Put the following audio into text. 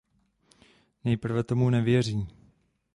Nejprve tomu nevěří.